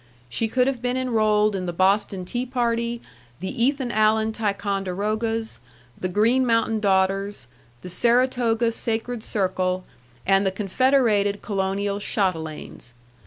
She could have been enrolled in the Boston Tea Party, the Ethan Allen Ticonderogas, the Green Mountain Daughters, the Saratoga Sacred Circle, and the Confederated Colonial Chatelaines.